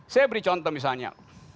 saya beri contoh misalnya